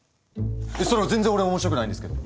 それ全然俺面白くないんですけど。